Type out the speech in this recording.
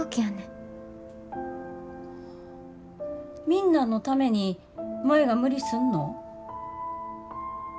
みんなのために舞が無理すんの？